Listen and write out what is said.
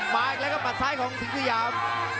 มาอีกแล้วครับปัดซ้ายของสิงสยาม